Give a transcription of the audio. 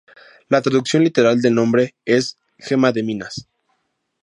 La traducción literal del nombre es "gema de minas".